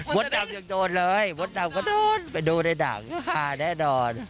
มัดดำแหงโดนเลยมัดดำก็โดนไปดูในหนังอ่าแน่นอน